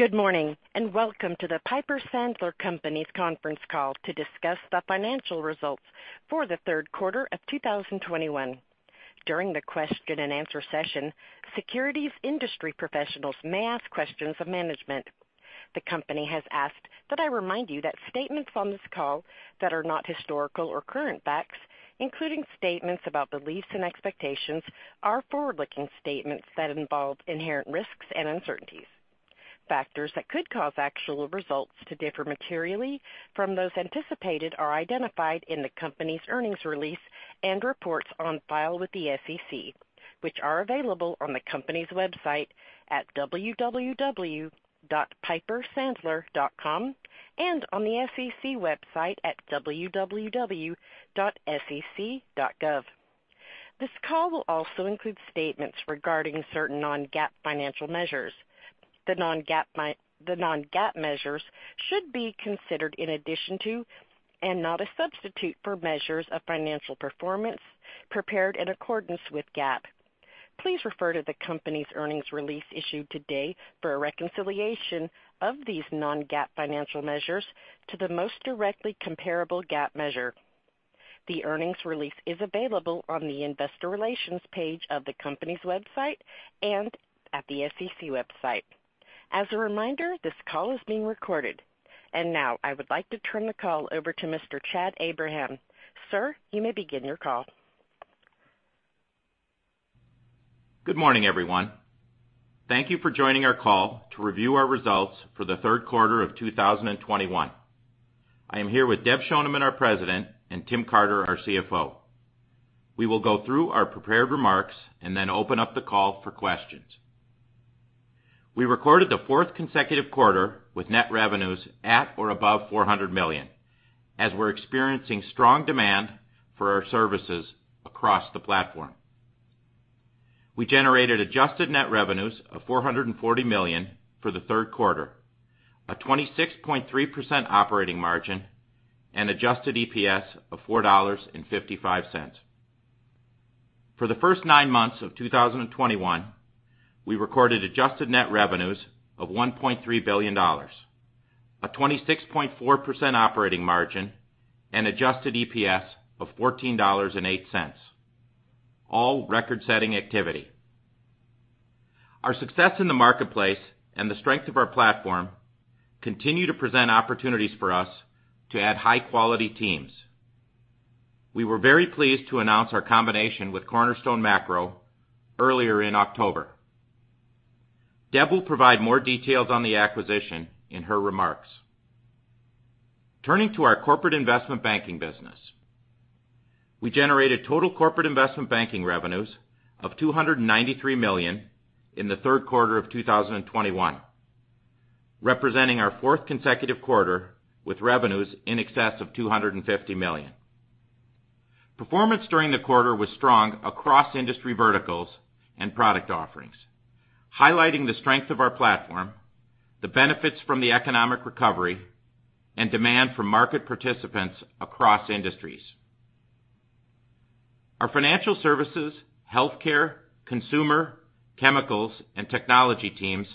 Good morning, and welcome to the Piper Sandler Companies conference call to discuss the financial results for the third quarter of 2021. During the question and answer session, securities industry professionals may ask questions of management. The company has asked that I remind you that statements on this call that are not historical or current facts, including statements about beliefs and expectations, are forward-looking statements that involve inherent risks and uncertainties. Factors that could cause actual results to differ materially from those anticipated are identified in the company's earnings release and reports on file with the SEC, which are available on the company's website at www.pipersandler.com, and on the SEC website at www.sec.gov. This call will also include statements regarding certain non-GAAP financial measures. The non-GAAP measures should be considered in addition to, and not a substitute for, measures of financial performance prepared in accordance with GAAP. Please refer to the company's earnings release issued today for a reconciliation of these non-GAAP financial measures to the most directly comparable GAAP measure. The earnings release is available on the investor relations page of the company's website and at the SEC website. As a reminder, this call is being recorded. Now I would like to turn the call over to Mr. Chad Abraham. Sir, you may begin your call. Good morning, everyone. Thank you for joining our call to review our results for the third quarter of 2021. I am here with Deb Schoneman, our President, and Tim Carter, our CFO. We will go through our prepared remarks and then open up the call for questions. We recorded the fourth consecutive quarter with net revenues at or above $400 million, as we're experiencing strong demand for our services across the platform. We generated adjusted net revenues of $440 million for the third quarter, a 26.3% operating margin, and adjusted EPS of $4.55. For the first nine months of 2021, we recorded adjusted net revenues of $1.3 billion, a 26.4% operating margin, and adjusted EPS of $14.08, all record-setting activity. Our success in the marketplace and the strength of our platform continue to present opportunities for us to add high-quality teams. We were very pleased to announce our combination with Cornerstone Macro earlier in October. Deb will provide more details on the acquisition in her remarks. Turning to our corporate investment banking business, we generated total corporate investment banking revenues of $293 million in the third quarter of 2021, representing our fourth consecutive quarter with revenues in excess of $250 million. Performance during the quarter was strong across industry verticals and product offerings, highlighting the strength of our platform, the benefits from the economic recovery, and demand from market participants across industries. Our financial services, healthcare, consumer, chemicals, and technology teams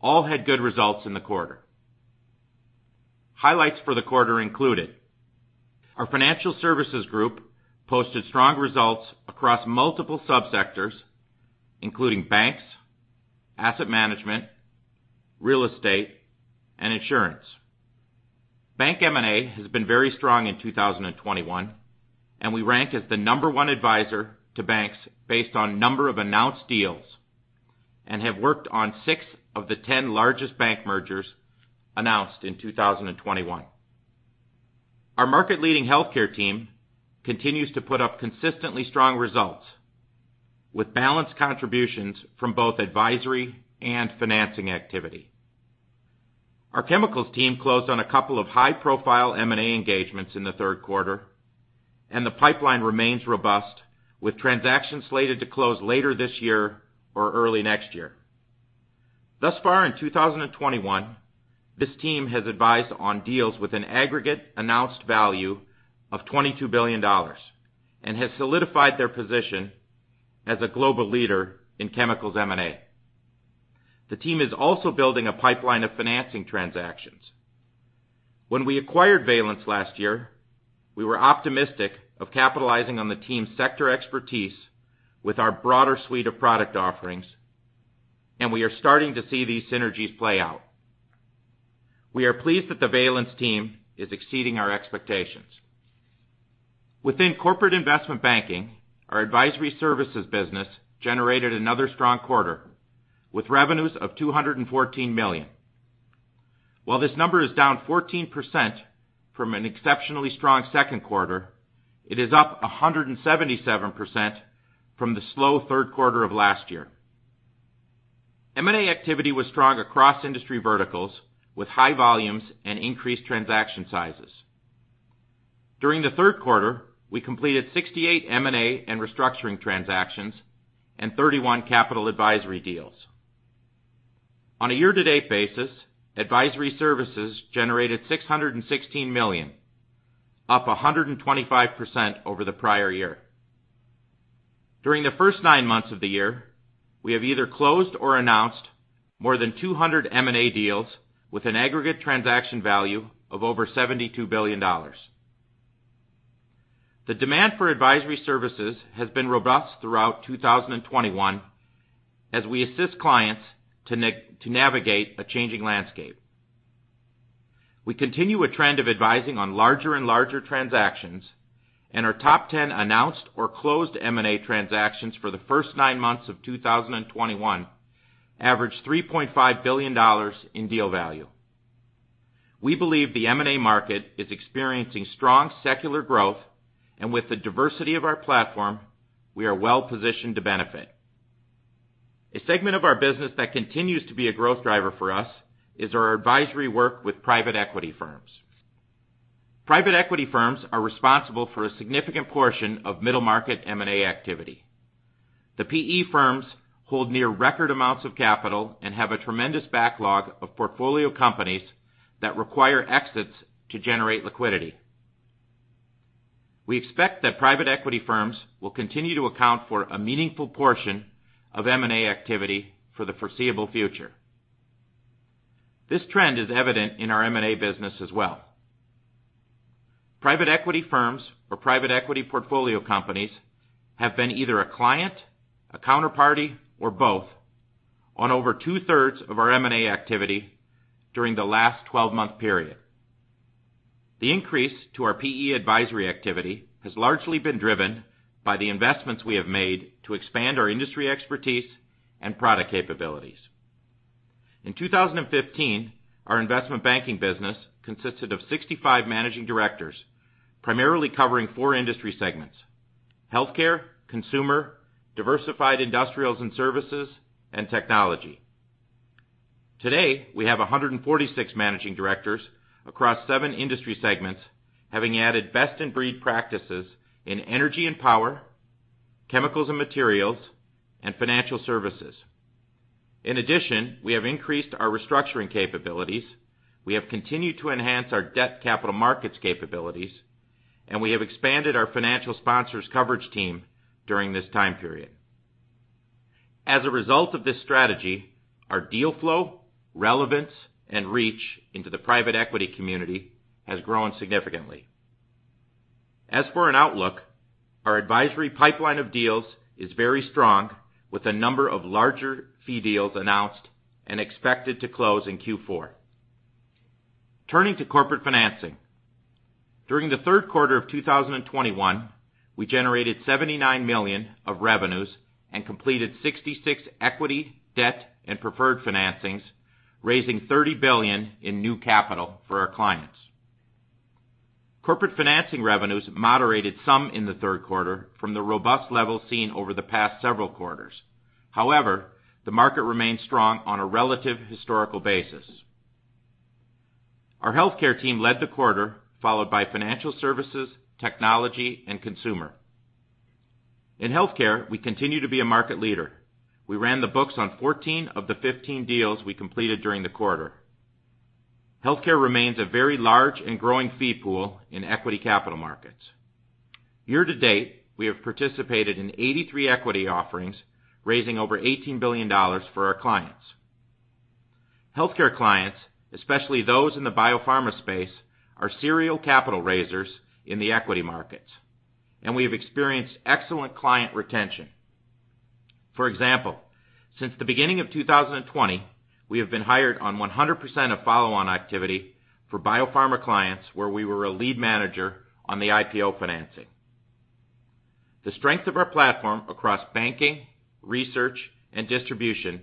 all had good results in the quarter. Highlights for the quarter included our financial services group posted strong results across multiple sub-sectors, including banks, asset management, real estate, and insurance. Bank M&A has been very strong in 2021, and we rank as the number one advisor to banks based on number of announced deals, and have worked on six of the 10 largest bank mergers announced in 2021. Our market-leading healthcare team continues to put up consistently strong results, with balanced contributions from both advisory and financing activity. Our chemicals team closed on a couple of high-profile M&A engagements in the third quarter, and the pipeline remains robust, with transactions slated to close later this year or early next year. Thus far in 2021, this team has advised on deals with an aggregate announced value of $22 billion and has solidified their position as a global leader in chemicals M&A. The team is also building a pipeline of financing transactions. When we acquired Valence last year, we were optimistic of capitalizing on the team's sector expertise with our broader suite of product offerings, and we are starting to see these synergies play out. We are pleased that the Valence team is exceeding our expectations. Within corporate investment banking, our advisory services business generated another strong quarter, with revenues of $214 million. While this number is down 14% from an exceptionally strong second quarter, it is up 177% from the slow third quarter of last year. M&A activity was strong across industry verticals, with high volumes and increased transaction sizes. During the third quarter, we completed 68 M&A and restructuring transactions and 31 capital advisory deals. On a year-to-date basis, advisory services generated $616 million, up 125% over the prior year. During the first nine months of the year, we have either closed or announced more than 200 M&A deals with an aggregate transaction value of over $72 billion. The demand for advisory services has been robust throughout 2021 as we assist clients to navigate a changing landscape. We continue a trend of advising on larger and larger transactions, and our top ten announced or closed M&A transactions for the first nine months of 2021 averaged $3.5 billion in deal value. We believe the M&A market is experiencing strong secular growth, and with the diversity of our platform, we are well-positioned to benefit. A segment of our business that continues to be a growth driver for us is our advisory work with private equity firms. Private equity firms are responsible for a significant portion of middle-market M&A activity. The PE firms hold near record amounts of capital and have a tremendous backlog of portfolio companies that require exits to generate liquidity. We expect that private equity firms will continue to account for a meaningful portion of M&A activity for the foreseeable future. This trend is evident in our M&A business as well. Private equity firms or private equity portfolio companies have been either a client, a counterparty, or both on over two-thirds of our M&A activity during the last 12-month period. The increase to our PE advisory activity has largely been driven by the investments we have made to expand our industry expertise and product capabilities. In 2015, our investment banking business consisted of 65 managing directors, primarily covering four industry segments, healthcare, consumer, diversified industrials and services, and technology. Today, we have 146 managing directors across seven industry segments, having added best-in-breed practices in energy and power, chemicals and materials, and financial services. In addition, we have increased our restructuring capabilities, we have continued to enhance our debt capital markets capabilities, and we have expanded our financial sponsors coverage team during this time period. As a result of this strategy, our deal flow, relevance, and reach into the private equity community has grown significantly. As for an outlook, our advisory pipeline of deals is very strong, with a number of larger fee deals announced and expected to close in Q4. Turning to corporate financing. During the third quarter of 2021, we generated $79 million of revenues and completed 66 equity, debt, and preferred financings, raising $30 billion in new capital for our clients. Corporate financing revenues moderated some in the third quarter from the robust level seen over the past several quarters. However, the market remained strong on a relative historical basis. Our healthcare team led the quarter, followed by financial services, technology, and consumer. In healthcare, we continue to be a market leader. We ran the books on 14 of the 15 deals we completed during the quarter. Healthcare remains a very large and growing fee pool in equity capital markets. Year to date, we have participated in 83 equity offerings, raising over $18 billion for our clients. Healthcare clients, especially those in the biopharma space, are serial capital raisers in the equity markets, and we have experienced excellent client retention. For example, since the beginning of 2020, we have been hired on 100% of follow-on activity for biopharma clients where we were a lead manager on the IPO financing. The strength of our platform across banking, research, and distribution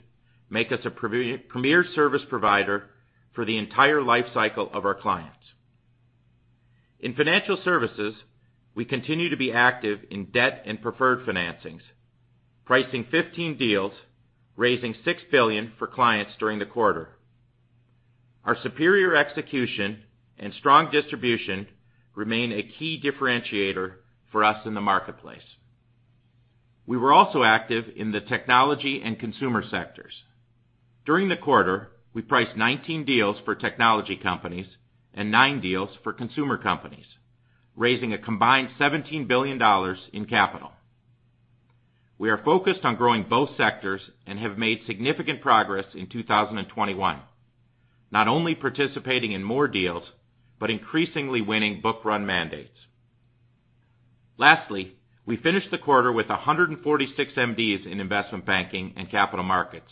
make us a premier service provider for the entire life cycle of our clients. In financial services, we continue to be active in debt and preferred financings, pricing 15 deals, raising $6 billion for clients during the quarter. Our superior execution and strong distribution remain a key differentiator for us in the marketplace. We were also active in the technology and consumer sectors. During the quarter, we priced 19 deals for technology companies and 9 deals for consumer companies, raising a combined $17 billion in capital. We are focused on growing both sectors and have made significant progress in 2021, not only participating in more deals, but increasingly winning book run mandates. Lastly, we finished the quarter with 146 MDs in investment banking and capital markets,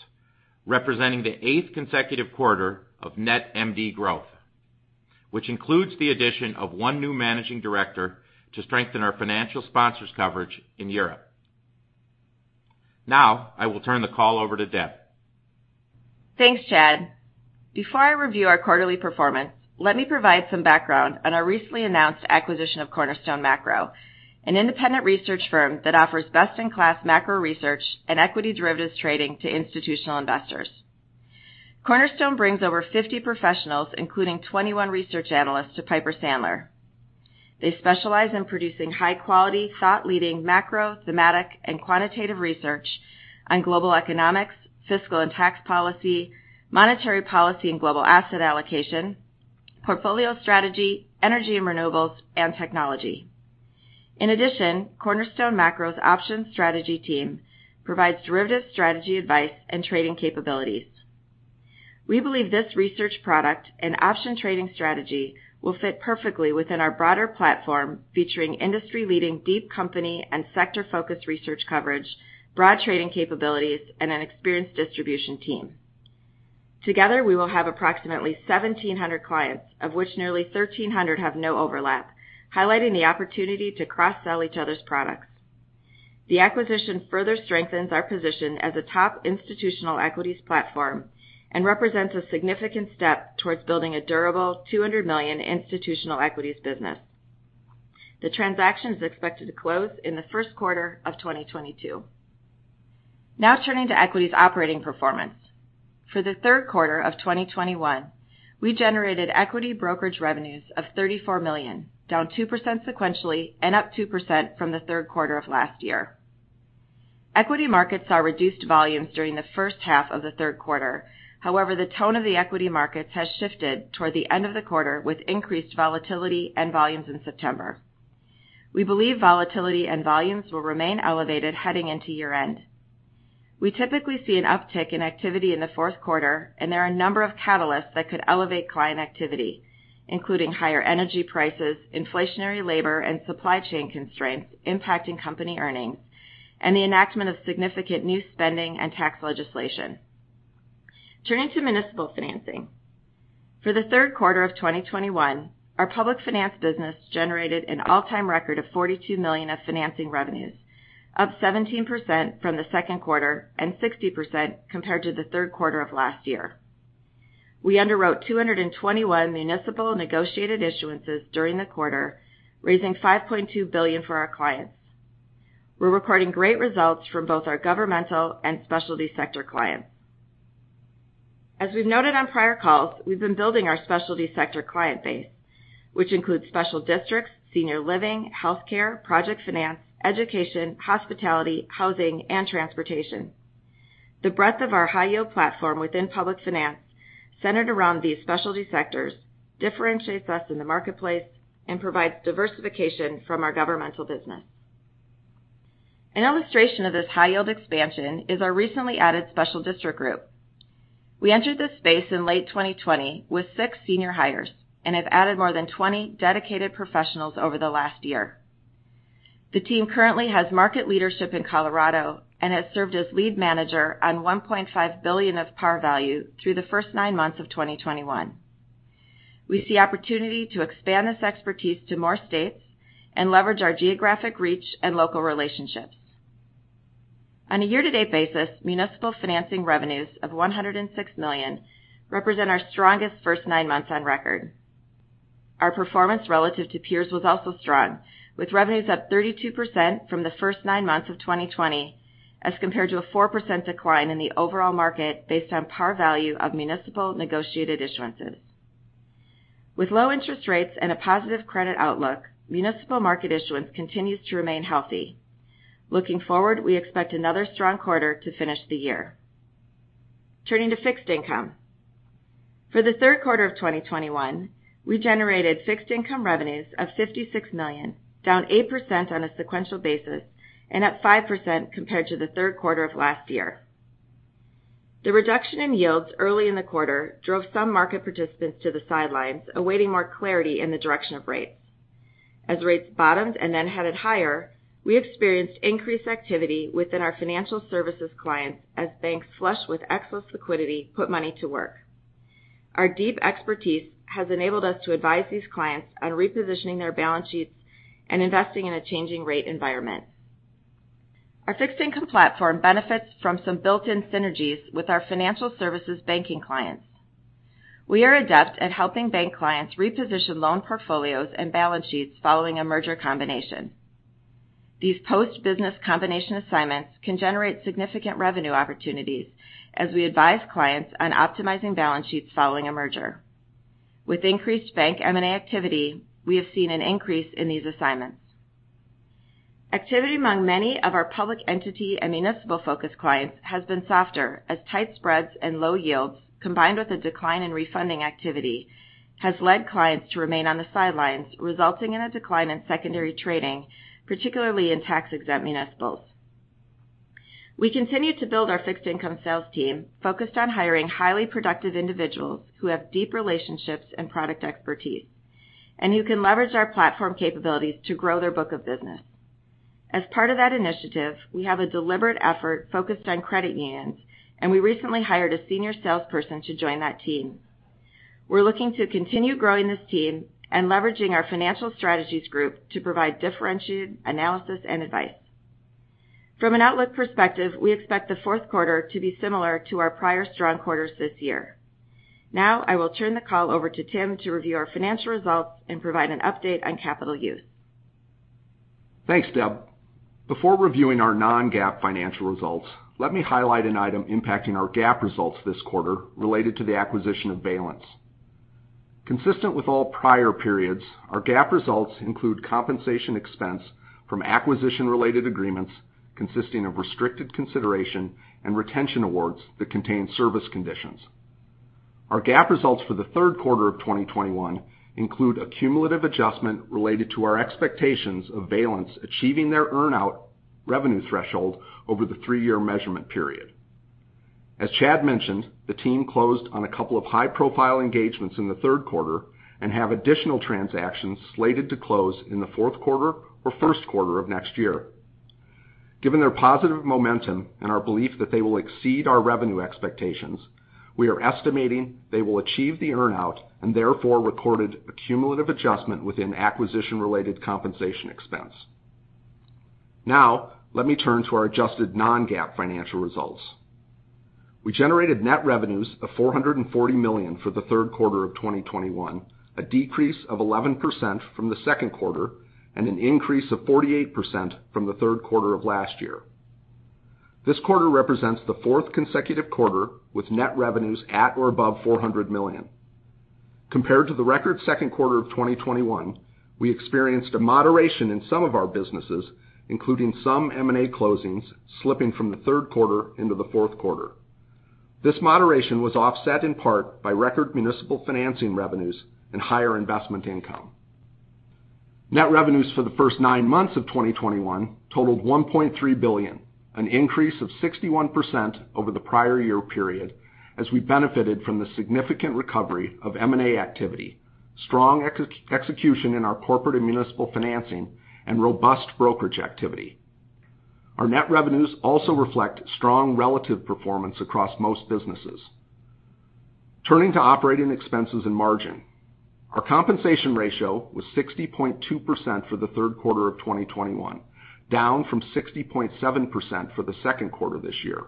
representing the 8th consecutive quarter of net MD growth, which includes the addition of 1 new managing director to strengthen our financial sponsors coverage in Europe. Now, I will turn the call over to Deb. Thanks, Chad. Before I review our quarterly performance, let me provide some background on our recently announced acquisition of Cornerstone Macro, an independent research firm that offers best-in-class macro research and equity derivatives trading to institutional investors. Cornerstone brings over 50 professionals, including 21 research analysts, to Piper Sandler. They specialize in producing high quality, thought leading, macro, thematic, and quantitative research on global economics, fiscal and tax policy, monetary policy, and global asset allocation, portfolio strategy, energy and renewables, and technology. In addition, Cornerstone Macro's options strategy team provides derivative strategy advice and trading capabilities. We believe this research product and option trading strategy will fit perfectly within our broader platform, featuring industry-leading deep company and sector-focused research coverage, broad trading capabilities, and an experienced distribution team. Together, we will have approximately 1,700 clients, of which nearly 1,300 have no overlap, highlighting the opportunity to cross-sell each other's products. The acquisition further strengthens our position as a top institutional equities platform and represents a significant step towards building a durable $200 million institutional equities business. The transaction is expected to close in the first quarter of 2022. Now turning to equities operating performance. For the third quarter of 2021, we generated equity brokerage revenues of $34 million, down 2% sequentially and up 2% from the third quarter of last year. Equity markets saw reduced volumes during the first half of the third quarter. However, the tone of the equity markets has shifted toward the end of the quarter with increased volatility and volumes in September. We believe volatility and volumes will remain elevated heading into year-end. We typically see an uptick in activity in the fourth quarter, and there are a number of catalysts that could elevate client activity, including higher energy prices, inflationary labor and supply chain constraints impacting company earnings, and the enactment of significant new spending and tax legislation. Turning to municipal financing. For the third quarter of 2021, our public finance business generated an all-time record of $42 million of financing revenues, up 17% from the second quarter and 60% compared to the third quarter of last year. We underwrote 221 municipal negotiated issuances during the quarter, raising $5.2 billion for our clients. We're recording great results from both our governmental and specialty sector clients. As we've noted on prior calls, we've been building our specialty sector client base, which includes special districts, senior living, healthcare, project finance, education, hospitality, housing, and transportation. The breadth of our high-yield platform within public finance, centered around these specialty sectors, differentiates us in the marketplace and provides diversification from our governmental business. An illustration of this high-yield expansion is our recently added special district group. We entered this space in late 2020 with six senior hires and have added more than 20 dedicated professionals over the last year. The team currently has market leadership in Colorado and has served as lead manager on $1.5 billion of par value through the first nine months of 2021. We see opportunity to expand this expertise to more states and leverage our geographic reach and local relationships. On a year-to-date basis, municipal financing revenues of $106 million represent our strongest first nine months on record. Our performance relative to peers was also strong, with revenues up 32% from the first nine months of 2020, as compared to a 4% decline in the overall market based on par value of municipal negotiated issuances. With low interest rates and a positive credit outlook, municipal market issuance continues to remain healthy. Looking forward, we expect another strong quarter to finish the year. Turning to fixed income. For the third quarter of 2021, we generated fixed income revenues of $56 million, down 8% on a sequential basis and up 5% compared to the third quarter of last year. The reduction in yields early in the quarter drove some market participants to the sidelines, awaiting more clarity in the direction of rates. As rates bottomed and then headed higher, we experienced increased activity within our financial services clients as banks flush with excess liquidity put money to work. Our deep expertise has enabled us to advise these clients on repositioning their balance sheets and investing in a changing rate environment. Our fixed income platform benefits from some built-in synergies with our financial services banking clients. We are adept at helping bank clients reposition loan portfolios and balance sheets following a merger combination. These post-business combination assignments can generate significant revenue opportunities as we advise clients on optimizing balance sheets following a merger. With increased bank M&A activity, we have seen an increase in these assignments. Activity among many of our public entity and municipal-focused clients has been softer as tight spreads and low yields, combined with a decline in refunding activity, has led clients to remain on the sidelines, resulting in a decline in secondary trading, particularly in tax-exempt municipals. We continue to build our fixed income sales team, focused on hiring highly productive individuals who have deep relationships and product expertise, and who can leverage our platform capabilities to grow their book of business. As part of that initiative, we have a deliberate effort focused on credit unions, and we recently hired a senior salesperson to join that team. We're looking to continue growing this team and leveraging our Financial Strategies Group to provide differentiated analysis and advice. From an outlook perspective, we expect the fourth quarter to be similar to our prior strong quarters this year. Now I will turn the call over to Tim to review our financial results and provide an update on capital use. Thanks, Deb. Before reviewing our non-GAAP financial results, let me highlight an item impacting our GAAP results this quarter related to the acquisition of Valence. Consistent with all prior periods, our GAAP results include compensation expense from acquisition-related agreements consisting of restricted consideration and retention awards that contain service conditions. Our GAAP results for the third quarter of 2021 include a cumulative adjustment related to our expectations of Valence achieving their earnout revenue threshold over the three-year measurement period. As Chad mentioned, the team closed on a couple of high-profile engagements in the third quarter and have additional transactions slated to close in the fourth quarter or first quarter of next year. Given their positive momentum and our belief that they will exceed our revenue expectations, we are estimating they will achieve the earnout and therefore recorded a cumulative adjustment within acquisition-related compensation expense. Now let me turn to our adjusted non-GAAP financial results. We generated net revenues of $440 million for the third quarter of 2021, a decrease of 11% from the second quarter and an increase of 48% from the third quarter of last year. This quarter represents the fourth consecutive quarter with net revenues at or above $400 million. Compared to the record second quarter of 2021, we experienced a moderation in some of our businesses, including some M&A closings slipping from the third quarter into the fourth quarter. This moderation was offset in part by record municipal financing revenues and higher investment income. Net revenues for the first 9 months of 2021 totaled $1.3 billion, an increase of 61% over the prior year period, as we benefited from the significant recovery of M&A activity, strong execution in our corporate and municipal financing, and robust brokerage activity. Our net revenues also reflect strong relative performance across most businesses. Turning to operating expenses and margin. Our compensation ratio was 60.2% for the third quarter of 2021, down from 60.7% for the second quarter this year.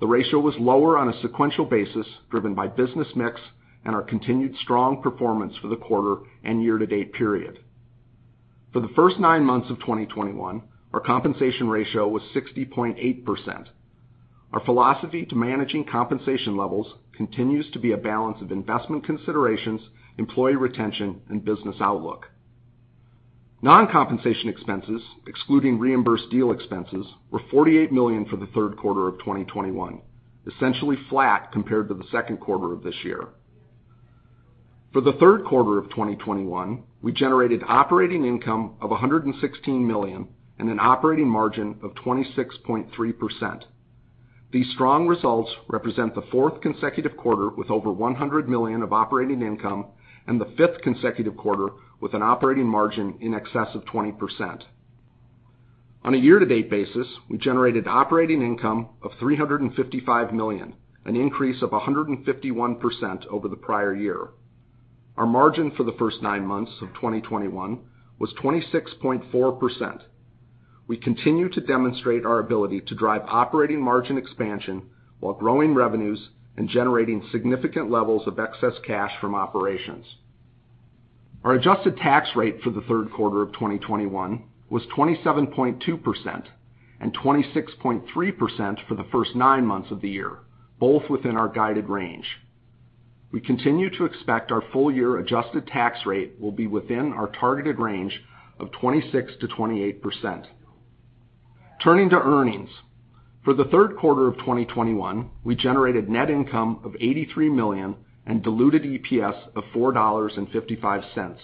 The ratio was lower on a sequential basis, driven by business mix and our continued strong performance for the quarter and year-to-date period. For the first 9 months of 2021, our compensation ratio was 60.8%. Our philosophy to managing compensation levels continues to be a balance of investment considerations, employee retention, and business outlook. Non-compensation expenses, excluding reimbursed deal expenses, were $48 million for the third quarter of 2021, essentially flat compared to the second quarter of this year. For the third quarter of 2021, we generated operating income of $116 million and an operating margin of 26.3%. These strong results represent the fourth consecutive quarter with over $100 million of operating income and the fifth consecutive quarter with an operating margin in excess of 20%. On a year-to-date basis, we generated operating income of $355 million, an increase of 151% over the prior year. Our margin for the first nine months of 2021 was 26.4%. We continue to demonstrate our ability to drive operating margin expansion while growing revenues and generating significant levels of excess cash from operations. Our adjusted tax rate for the third quarter of 2021 was 27.2% and 26.3% for the first nine months of the year, both within our guided range. We continue to expect our full year adjusted tax rate will be within our targeted range of 26%-28%. Turning to earnings. For the third quarter of 2021, we generated net income of $83 million and diluted EPS of $4.55,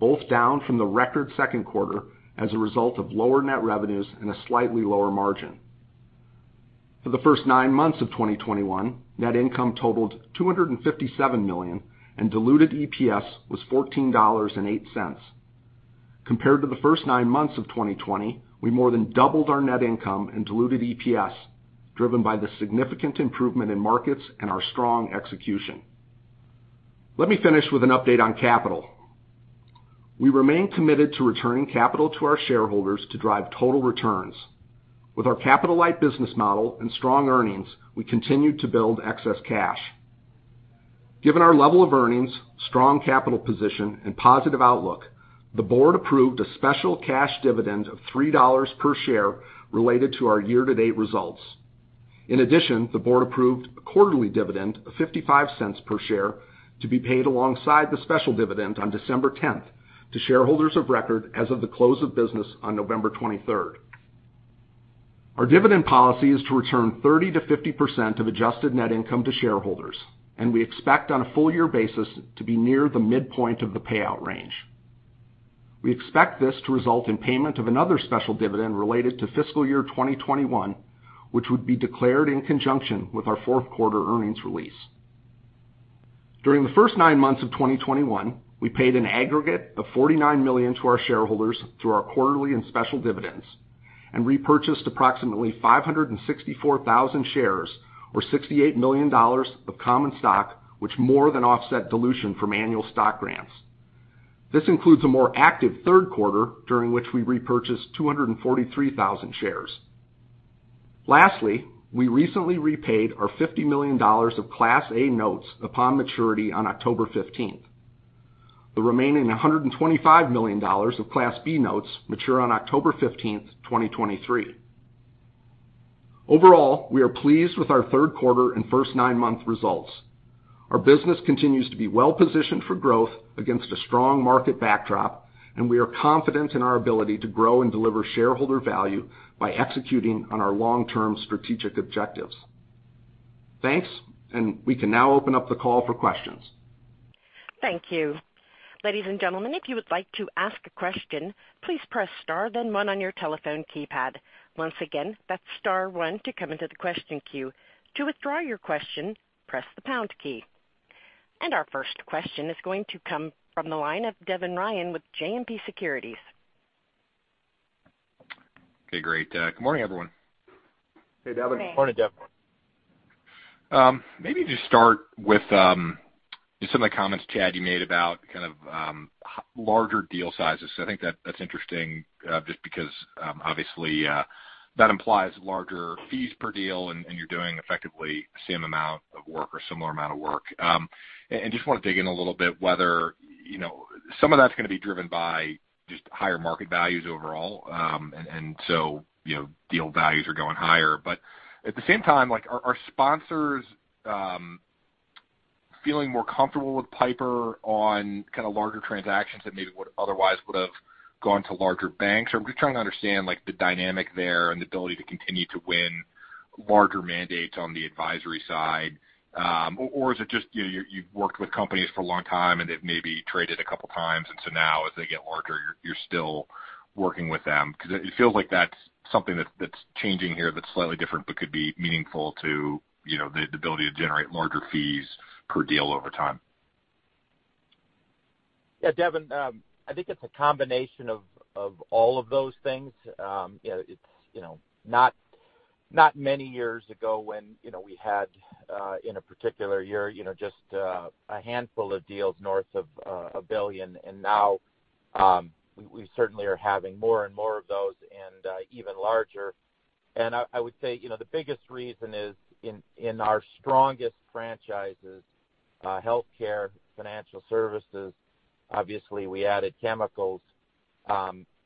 both down from the record second quarter as a result of lower net revenues and a slightly lower margin. For the first nine months of 2021, net income totaled $257 million and diluted EPS was $14.08. Compared to the first nine months of 2020, we more than doubled our net income and diluted EPS, driven by the significant improvement in markets and our strong execution. Let me finish with an update on capital. We remain committed to returning capital to our shareholders to drive total returns. With our capital-light business model and strong earnings, we continue to build excess cash. Given our level of earnings, strong capital position, and positive outlook, the board approved a special cash dividend of $3 per share related to our year-to-date results. In addition, the board approved a quarterly dividend of $0.55 per share to be paid alongside the special dividend on December 10th to shareholders of record as of the close of business on November 23rd. Our dividend policy is to return 30%-50% of adjusted net income to shareholders, and we expect on a full year basis to be near the midpoint of the payout range. We expect this to result in payment of another special dividend related to fiscal year 2021, which would be declared in conjunction with our fourth quarter earnings release. During the first nine months of 2021, we paid an aggregate of $49 million to our shareholders through our quarterly and special dividends and repurchased approximately 564,000 shares or $68 million of common stock, which more than offset dilution from annual stock grants. This includes a more active third quarter during which we repurchased 243,000 shares. Lastly, we recently repaid our $50 million of Class A notes upon maturity on October fifteenth. The remaining $125 million of Class B notes mature on October 15th, 2023. Overall, we are pleased with our third quarter and first nine-month results. Our business continues to be well-positioned for growth against a strong market backdrop, and we are confident in our ability to grow and deliver shareholder value by executing on our long-term strategic objectives. Thanks, and we can now open up the call for questions. Thank you. Ladies and gentlemen, if you would like to ask a question, please press star then one on your telephone keypad. Once again, that's star one to come into the question queue. To withdraw your question, press the pound key. Our first question is going to come from the line of Devin Ryan with JMP Securities. Okay, great. Good morning, everyone. Hey, Devin. Good morning. Morning, Devin. Maybe just start with just some of the comments, Chad, you made about kind of larger deal sizes. I think that's interesting just because obviously that implies larger fees per deal and you're doing effectively the same amount of work or similar amount of work. And just wanna dig in a little bit whether you know some of that's gonna be driven by just higher market values overall. And so you know deal values are going higher. At the same time, like, are sponsors feeling more comfortable with Piper on kind of larger transactions that maybe would otherwise have gone to larger banks? Or I'm just trying to understand like the dynamic there and the ability to continue to win larger mandates on the advisory side. is it just, you know, you've worked with companies for a long time, and they've maybe traded a couple times, and so now as they get larger, you're still working with them? 'Cause it feels like that's something that's changing here that's slightly different, but could be meaningful to, you know, the ability to generate larger fees per deal over time. Yeah, Devin, I think it's a combination of all of those things. You know, it's you know not many years ago when you know we had in a particular year you know just a handful of deals north of $1 billion, and now we certainly are having more and more of those and even larger. I would say you know the biggest reason is in our strongest franchises, healthcare, financial services, obviously we added chemicals,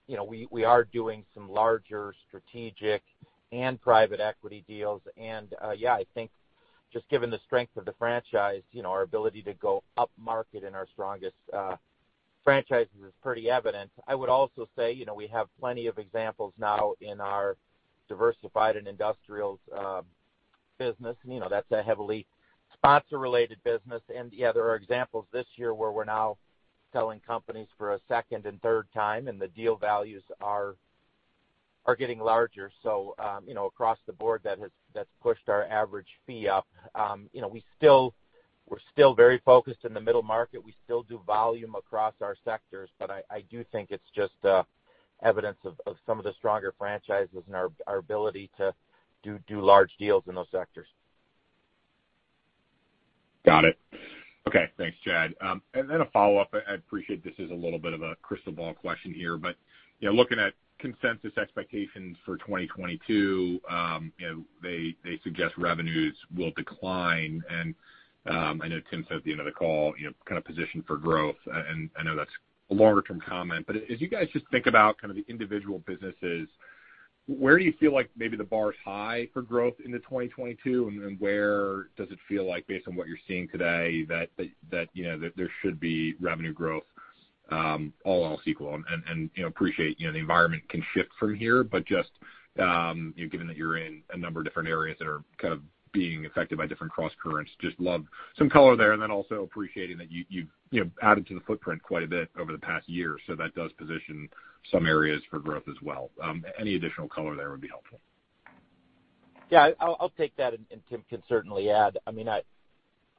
you know we are doing some larger strategic and private equity deals. Yeah, I think just given the strength of the franchise you know our ability to go upmarket in our strongest franchises is pretty evident. I would also say you know we have plenty of examples now in our diversified and industrials business. You know, that's a heavily sponsor-related business. Yeah, there are examples this year where we're now selling companies for a second and third time, and the deal values are getting larger. You know, across the board, that has pushed our average fee up. You know, we're still very focused in the middle market. We still do volume across our sectors. I do think it's just evidence of some of the stronger franchises and our ability to do large deals in those sectors. Got it. Okay, thanks, Chad. A follow-up. I appreciate this is a little bit of a crystal ball question here, but you know, looking at consensus expectations for 2022, you know, they suggest revenues will decline. I know Tim said at the end of the call, you know, kind of positioned for growth, and I know that's a longer term comment. As you guys just think about kind of the individual businesses, where do you feel like maybe the bar is high for growth into 2022, and then where does it feel like based on what you're seeing today that you know, that there should be revenue growth, all else equal? I appreciate you know the environment can shift from here, but given that you're in a number of different areas that are kind of being affected by different crosscurrents, I'd love some color there. Then also I appreciate that you've you know added to the footprint quite a bit over the past year, so that does position some areas for growth as well. Any additional color there would be helpful. Yeah, I'll take that, and Tim can certainly add. I mean, I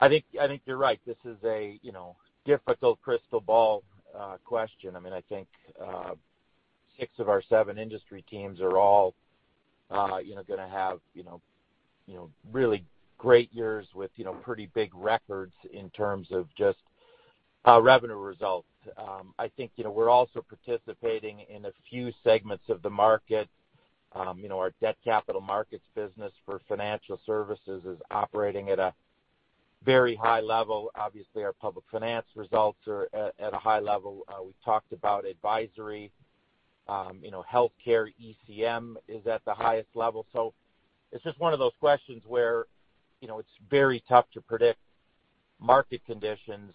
think you're right. This is a you know difficult crystal ball question. I mean, I think six of our seven industry teams are all you know gonna have you know you know really great years with you know pretty big records in terms of just revenue results. I think you know we're also participating in a few segments of the market. You know our debt capital markets business for financial services is operating at a very high level. Obviously, our public finance results are at a high level. We talked about advisory. You know healthcare ECM is at the highest level. It's just one of those questions where, you know, it's very tough to predict market conditions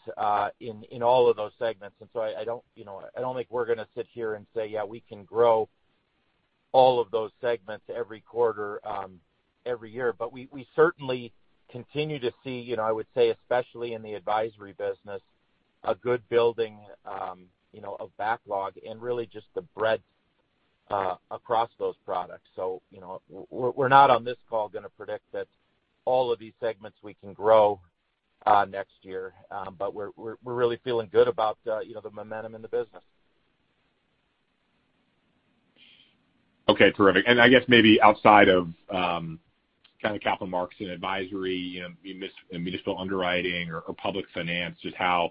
in all of those segments. I don't, you know, I don't think we're gonna sit here and say, "Yeah, we can grow all of those segments every quarter, every year." We certainly continue to see, you know, I would say, especially in the advisory business, a good building, you know, of backlog and really just the breadth across those products. You know, we're really feeling good about, you know, the momentum in the business. Okay, terrific. I guess maybe outside of kind of capital markets and advisory, you know, and municipal financing or public finance, just how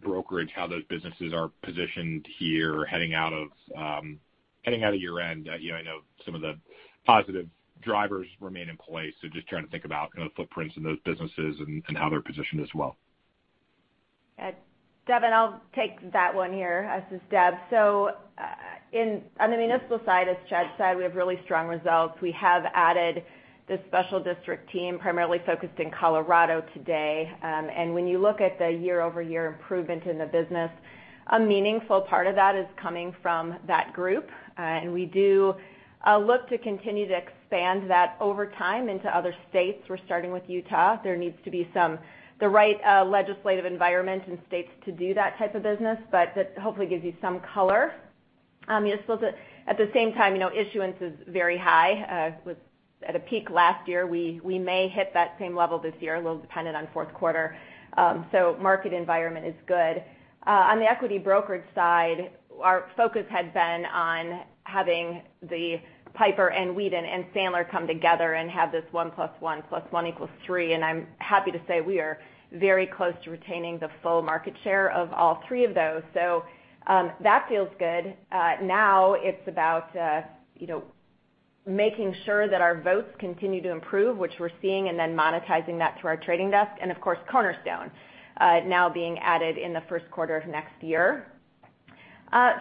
brokerage, how those businesses are positioned here heading out of year-end. You know, I know some of the positive drivers remain in place. Just trying to think about, you know, the footprints in those businesses and how they're positioned as well. Devin, I'll take that one here. This is Deb. On the municipal side, as Chad said, we have really strong results. We have added the special district team primarily focused in Colorado to date. And when you look at the year-over-year improvement in the business, a meaningful part of that is coming from that group. And we look to continue to expand that over time into other states. We're starting with Utah. There needs to be the right legislative environment in states to do that type of business, but that hopefully gives you some color. At the same time, you know, issuance is very high. Was at a peak last year. We may hit that same level this year, a little dependent on fourth quarter. Market environment is good. On the equity brokerage side, our focus had been on having the Piper and Weeden and Sandler come together and have this one plus one plus one equals three. I'm happy to say we are very close to retaining the full market share of all three of those. That feels good. Now it's about, you know, making sure that our volumes continue to improve, which we're seeing, and then monetizing that through our trading desk. Of course, Cornerstone now being added in the first quarter of next year.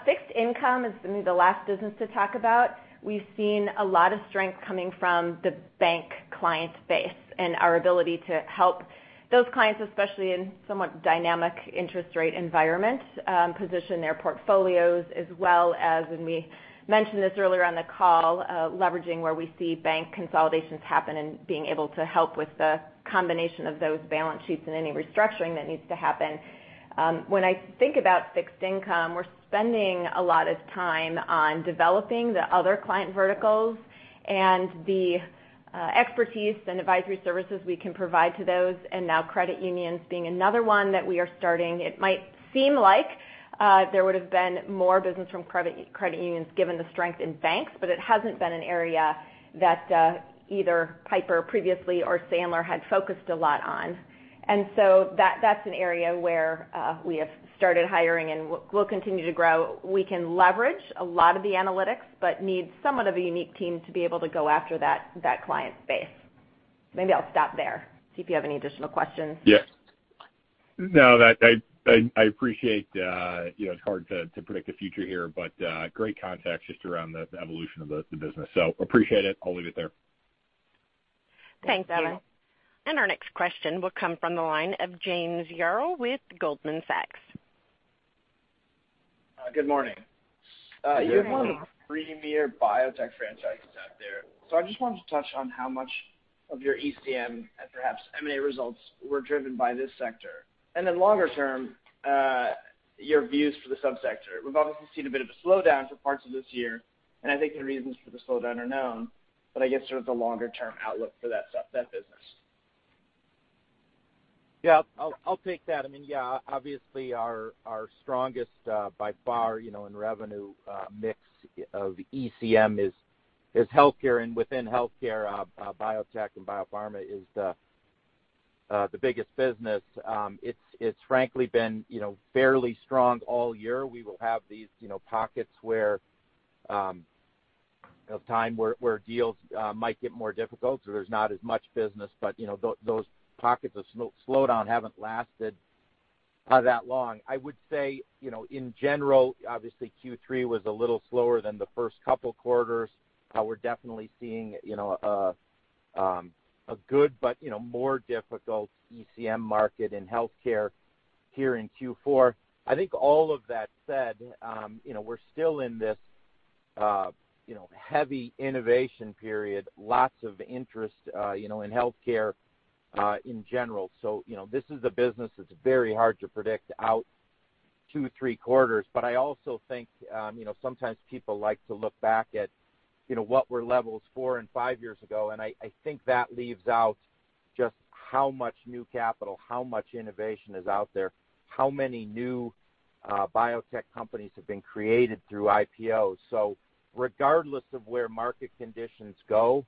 Fixed income is gonna be the last business to talk about. We've seen a lot of strength coming from the bank client base and our ability to help those clients, especially in somewhat dynamic interest rate environments, position their portfolios, as well as when we mentioned this earlier on the call, leveraging where we see bank consolidations happen and being able to help with the combination of those balance sheets and any restructuring that needs to happen. When I think about fixed income, we're spending a lot of time on developing the other client verticals and the expertise and advisory services we can provide to those. Now credit unions being another one that we are starting. It might seem like there would have been more business from credit unions given the strength in banks, but it hasn't been an area that either Piper previously or Sandler had focused a lot on. That's an area where we have started hiring and will continue to grow. We can leverage a lot of the analytics, but need somewhat of a unique team to be able to go after that client base. Maybe I'll stop there, see if you have any additional questions. Yeah. No, that I appreciate, you know, it's hard to predict the future here, but great context just around the evolution of the business. Appreciate it. I'll leave it there. Thanks, Devin. Thank you. Our next question will come from the line of James Yaro with Goldman Sachs. Good morning. Good morning. You have one of the premier biotech franchises out there. I just wanted to touch on how much of your ECM and perhaps M&A results were driven by this sector. Then longer term, your views for the subsector. We've obviously seen a bit of a slowdown for parts of this year, and I think the reasons for the slowdown are known, but I guess sort of the longer term outlook for that business. Yeah. I'll take that. I mean, yeah, obviously our strongest by far, you know, in revenue mix of ECM is healthcare. Within healthcare, biotech and biopharma is the biggest business. It's frankly been, you know, fairly strong all year. We will have these, you know, pockets of time where deals might get more difficult or there's not as much business. You know, those pockets of slowdown haven't lasted that long. I would say, you know, in general, obviously Q3 was a little slower than the first couple quarters. We're definitely seeing, you know, a good but, you know, more difficult ECM market in healthcare here in Q4. I think all of that said, you know, we're still in this, you know, heavy innovation period. Lots of interest, you know, in healthcare, in general. This is a business that's very hard to predict out 2, 3 quarters. I also think, you know, sometimes people like to look back at, you know, what were levels 4 and 5 years ago. I think that leaves out just how much new capital, how much innovation is out there, how many new biotech companies have been created through IPOs. Regardless of where market conditions go,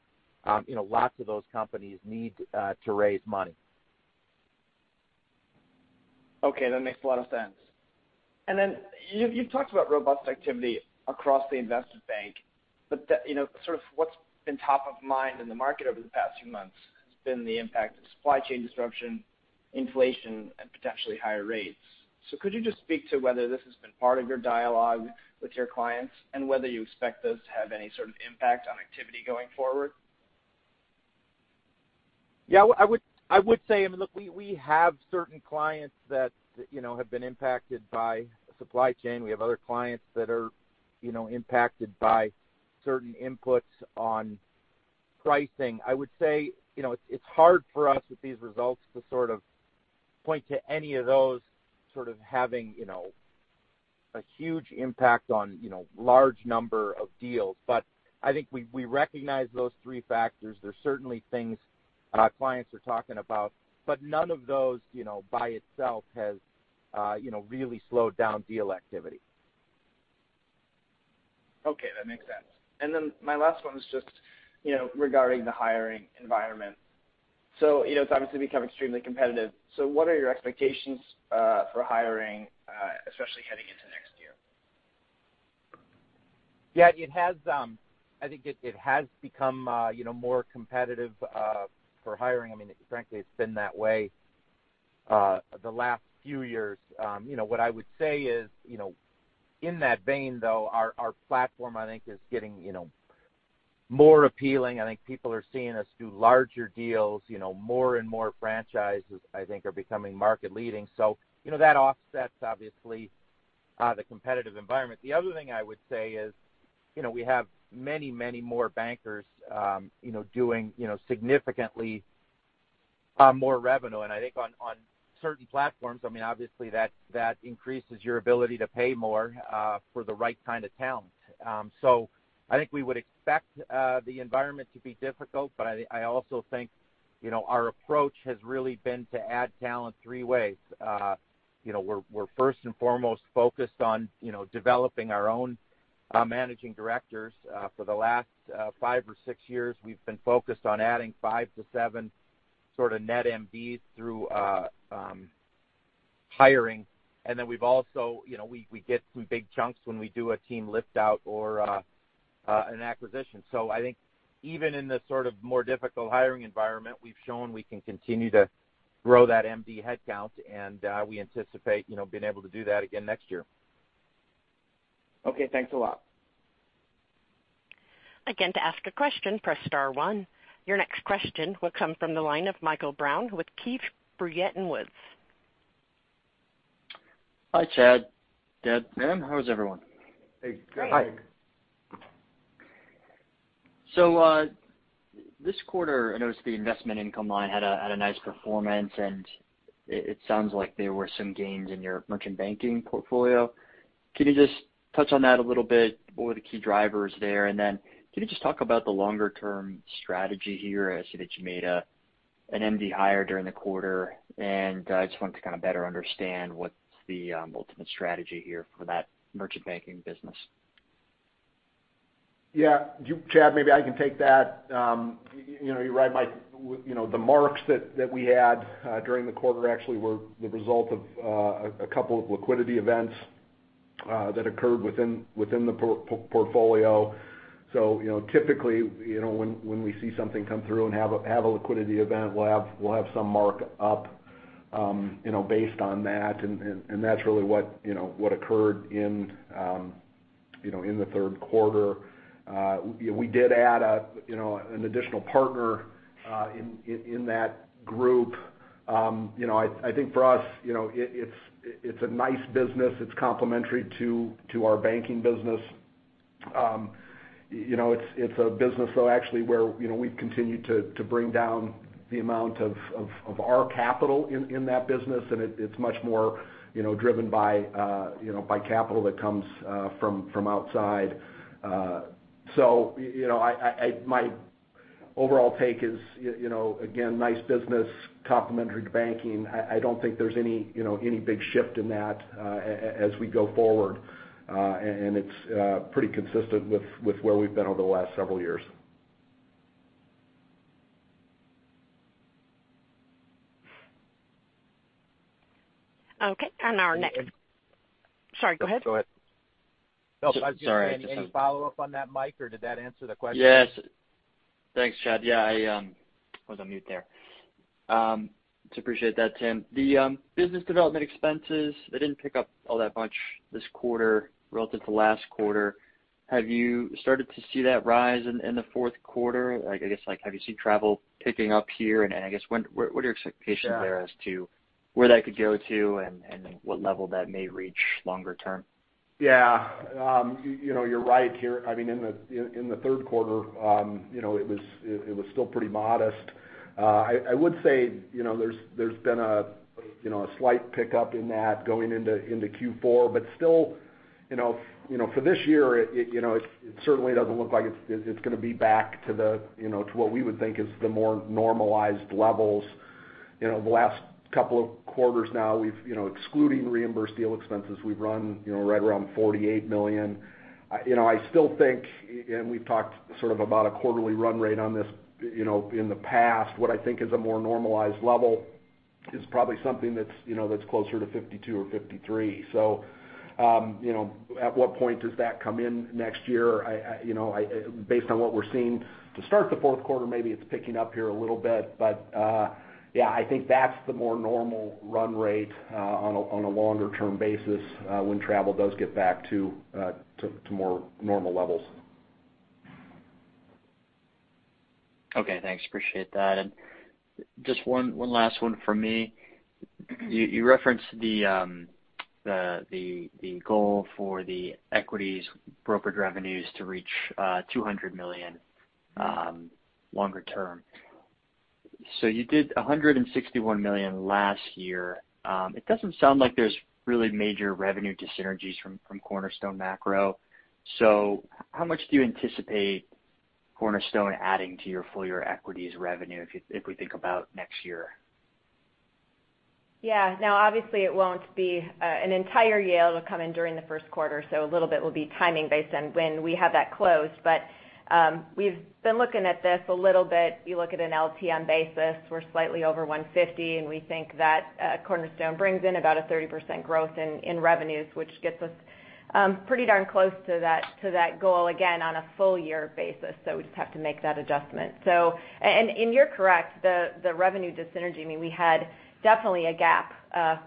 you know, lots of those companies need to raise money. Okay, that makes a lot of sense. You've talked about robust activity across the investment bank, but the, you know, sort of what's been top of mind in the market over the past few months has been the impact of supply chain disruption, inflation, and potentially higher rates. Could you just speak to whether this has been part of your dialogue with your clients and whether you expect those to have any sort of impact on activity going forward? Yeah. I would say, I mean, look, we have certain clients that, you know, have been impacted by supply chain. We have other clients that are, you know, impacted by certain inputs on pricing. I would say, you know, it's hard for us with these results to sort of point to any of those sort of having, you know, a huge impact on, you know, large number of deals. I think we recognize those three factors. They're certainly things our clients are talking about, but none of those, you know, by itself has, you know, really slowed down deal activity. Okay, that makes sense. Then my last one is just, you know, regarding the hiring environment. You know, it's obviously become extremely competitive. What are your expectations for hiring, especially heading into next year? Yeah, it has. I think it has become, you know, more competitive for hiring. I mean, frankly, it's been that way the last few years. You know, what I would say is, you know, in that vein, though, our platform, I think, is getting, you know, more appealing. I think people are seeing us do larger deals. You know, more and more franchises, I think, are becoming market leading. You know, that offsets, obviously, the competitive environment. The other thing I would say is, you know, we have many more bankers, you know, doing, you know, significantly more revenue. I think on certain platforms, I mean, obviously that increases your ability to pay more for the right kind of talent. I think we would expect the environment to be difficult, but I also think, you know, our approach has really been to add talent three ways. You know, we're first and foremost focused on, you know, developing our own managing directors. For the last five or six years, we've been focused on adding five to seven sort of net MDs through hiring. Then we've also, you know, we get some big chunks when we do a team lift out or an acquisition. I think even in the sort of more difficult hiring environment, we've shown we can continue to grow that MD headcount, and we anticipate, you know, being able to do that again next year. Okay. Thanks a lot. Your next question will come from the line of Michael Brown with Keefe, Bruyette & Woods. Hi, Chad, Deb, Tim. How is everyone? This quarter, I noticed the investment income line had a nice performance, and it sounds like there were some gains in your merchant banking portfolio. Can you just touch on that a little bit? What were the key drivers there? Can you just talk about the longer-term strategy here? I see that you made an MD hire during the quarter, and I just wanted to kind of better understand what's the ultimate strategy here for that merchant banking business. Yeah. Chad, maybe I can take that. You know me, right, Mike. You know, the marks that we had during the quarter actually were the result of a couple of liquidity events that occurred within the portfolio. You know, typically, you know, when we see something come through and have a liquidity event, we'll have some mark up, you know, based on that, and that's really what, you know, what occurred in, you know, in the third quarter. We did add, you know, an additional partner in that group. You know, I think for us, you know, it's a nice business. It's complementary to our banking business. You know, it's a business, though, actually, where you know, we've continued to bring down the amount of our capital in that business, and it's much more, you know, driven by you know, by capital that comes from outside. You know, my overall take is, you know, again, nice business, complementary to banking. I don't think there's any, you know, any big shift in that as we go forward. It's pretty consistent with where we've been over the last several years. Okay. Our next Okay. Sorry, go ahead. Go ahead. Sorry. Any follow-up on that, Mike? Or did that answer the question? Yes. Thanks, Chad. Yeah, I was on mute there. So appreciate that, Tim. The business development expenses, they didn't pick up all that much this quarter relative to last quarter. Have you started to see that rise in the fourth quarter? Like, I guess, have you seen travel picking up here? I guess, what are your expectations there as to where that could go to and what level that may reach longer term? Yeah. You know, you're right here. I mean, in the third quarter, it was still pretty modest. I would say, you know, there's been a slight pickup in that going into Q4. Still, you know, for this year, it certainly doesn't look like it's gonna be back to what we would think is the more normalized levels. The last couple of quarters now, excluding reimbursed deal expenses, we've run right around $48 million. I still think, and we've talked sort of about a quarterly run rate on this in the past, what I think is a more normalized level is probably something that's closer to $52 or $53. You know, at what point does that come in next year? You know, based on what we're seeing to start the fourth quarter, maybe it's picking up here a little bit. Yeah, I think that's the more normal run rate on a longer-term basis when travel does get back to more normal levels. Okay, thanks. Appreciate that. Just one last one from me. You referenced the goal for the equities brokerage revenues to reach $200 million longer term. You did $161 million last year. It doesn't sound like there's really major revenue dissynergies from Cornerstone Macro. How much do you anticipate Cornerstone adding to your full-year equities revenue if we think about next year? Yeah. Now, obviously, it won't be an entire yield will come in during the first quarter, so a little bit will be timing based on when we have that closed. We've been looking at this a little bit. You look at an LTM basis, we're slightly over $150 million, and we think that Cornerstone brings in about a 30% growth in revenues, which gets us pretty darn close to that goal, again, on a full year basis. We just have to make that adjustment. You're correct, the revenue dyssynergy. I mean, we had definitely a gap,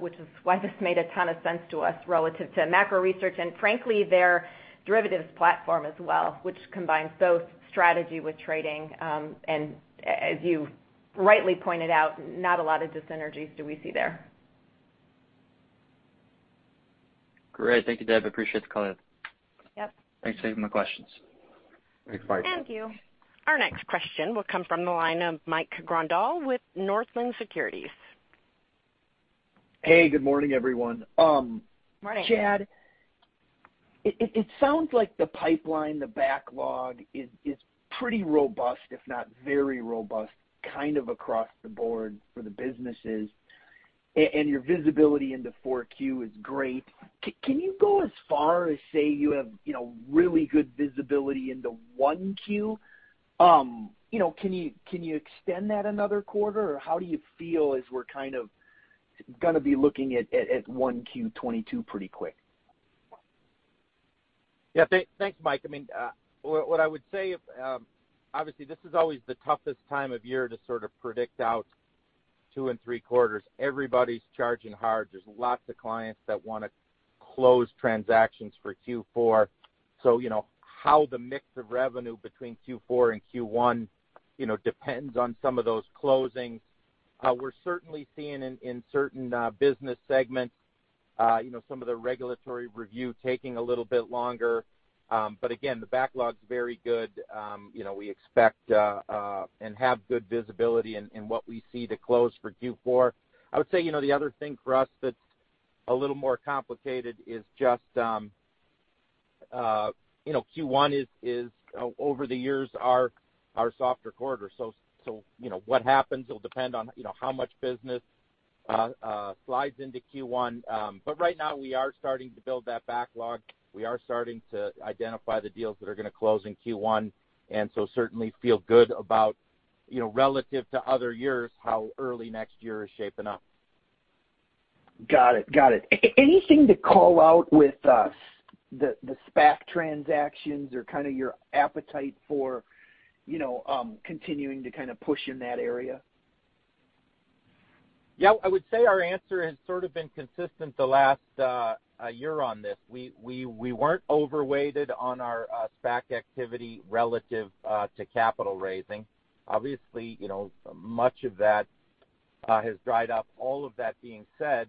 which is why this made a ton of sense to us relative to macro research and frankly their derivatives platform as well, which combines both strategy with trading, and as you rightly pointed out, not a lot of dyssynergies do we see there. Great. Thank you, Deb. Appreciate the call. Yep. Thanks. Saving my questions. Thank you. Our next question will come from the line of Mike Grondahl with Northland Securities. Hey, good morning, everyone. Morning. Chad, it sounds like the pipeline, the backlog is pretty robust if not very robust, kind of across the board for the businesses. Your visibility into 4Q is great. Can you go as far as to say you have, you know, really good visibility into 1Q? You know, can you extend that another quarter? How do you feel as we're kind of gonna be looking at 1Q 2022 pretty quick? Thanks, Mike. I mean, what I would say, obviously this is always the toughest time of year to sort of predict out two and three quarters. Everybody's charging hard. There's lots of clients that wanna close transactions for Q4. You know, how the mix of revenue between Q4 and Q1, you know, depends on some of those closings. We're certainly seeing in certain business segments, you know, some of the regulatory review taking a little bit longer. But again, the backlog's very good. You know, we expect and have good visibility in what we see to close for Q4. I would say, you know, the other thing for us that's a little more complicated is just, you know, Q1 is over the years our softer quarter. You know, what happens will depend on, you know, how much business slides into Q1. Right now we are starting to build that backlog. We are starting to identify the deals that are gonna close in Q1, and so certainly feel good about, you know, relative to other years, how early next year is shaping up. Got it. Anything to call out with the SPAC transactions or kinda your appetite for, you know, continuing to kinda push in that area? Yeah. I would say our answer has sort of been consistent the last year on this. We weren't overweighted on our SPAC activity relative to capital raising. Obviously, you know, much of that has dried up. All of that being said,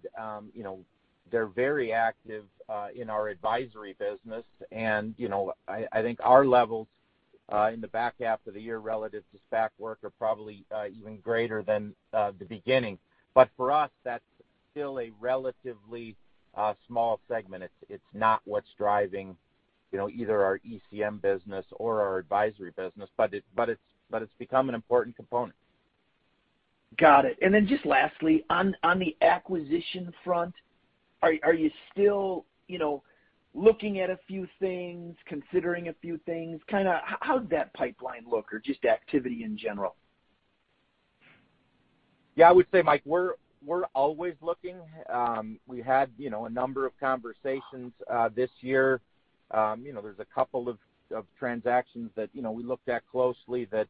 you know, they're very active in our advisory business. You know, I think our levels in the back half of the year relative to SPAC work are probably even greater than the beginning. But for us, that's still a relatively small segment. It's not what's driving, you know, either our ECM business or our advisory business, but it's become an important component. Got it. Just lastly, on the acquisition front, are you still, you know, looking at a few things, considering a few things, kinda how's that pipeline look or just activity in general? Yeah. I would say, Mike, we're always looking. We had, you know, a number of conversations this year. You know, there's a couple of transactions that, you know, we looked at closely that,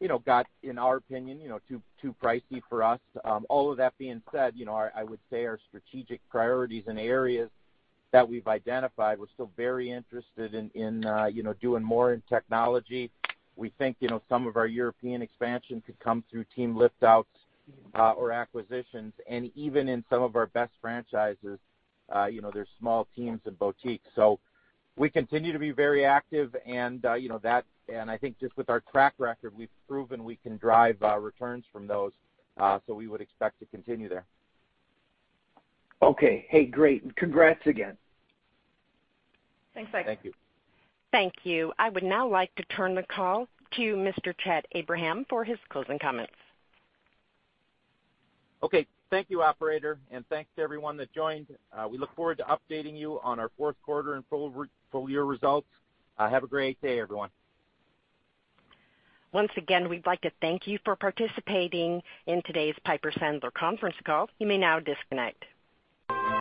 you know, got, in our opinion, you know, too pricey for us. All of that being said, you know, our strategic priorities in areas that we've identified, we're still very interested in, you know, doing more in technology. We think, you know, some of our European expansion could come through team lift outs or acquisitions. Even in some of our best franchises, you know, there's small teams and boutiques. We continue to be very active and, you know, that. I think just with our track record, we've proven we can drive returns from those, so we would expect to continue there. Okay. Hey, great, and congrats again. Thanks, Mike. Thank you. Thank you. I would now like to turn the call to Mr. Chad Abraham for his closing comments. Okay. Thank you, operator, and thanks to everyone that joined. We look forward to updating you on our fourth quarter and full year results. Have a great day, everyone. Once again, we'd like to thank you for participating in today's Piper Sandler conference call. You may now disconnect.